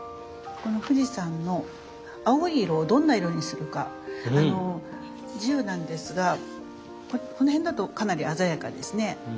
この富士山の青い色をどんな色にするか自由なんですがこの辺だとかなり鮮やかですね。